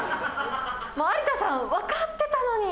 もう有田さんわかってたのに。